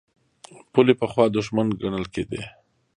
پولې پخوا دښمن ګڼل کېدې.